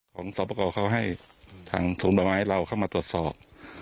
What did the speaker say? สอบประกอบเขาให้ทางถุงดอกไม้เราเข้ามาตรวจสอบ